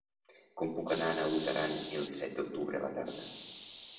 Com puc anar a Naut Aran el disset d'octubre a la tarda?